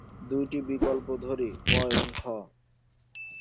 দুইটি বিকল্প ধরি, ক এবং খ।